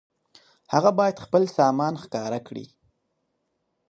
هغه بايد خپل سامان ښکاره کړي.